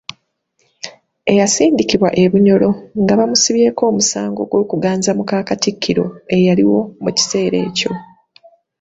Eyasindikibwa e Bunyoro nga bamusibyeko omusango gw’okuganza muka Katikkiro eyaliwo mu kiseera ekyo.